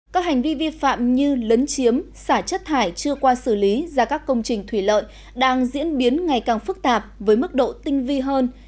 các hành vi vi phạm như lấn chiếm xả chất thải chưa qua xử lý ra các công trình thủy lợi đang diễn biến ngày càng phức tạp với mức độ tinh vi hơn